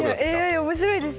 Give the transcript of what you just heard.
ＡＩ面白いです。